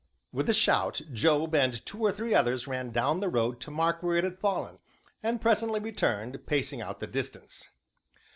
With a shout, Job and two or three others ran down the road to mark where it had fallen, and presently returned, pacing out the distance.